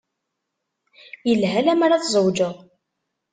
Yelha lemmer ad tzewǧeḍ.